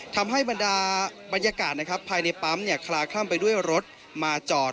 ทำให้บรรดาบรรยากาศนะครับภายในปั๊มคลาคล่ำไปด้วยรถมาจอด